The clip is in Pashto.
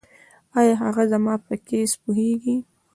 ایا هغه زما په کیس پوهیږي؟